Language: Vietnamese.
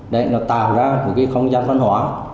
để nó tạo ra một cái không gian văn hóa